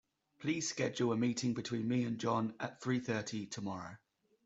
Please schedule a meeting between me and John at three thirty tomorrow.